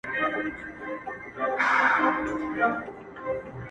په هغه شپه مي نیمګړی ژوند تمام وای!.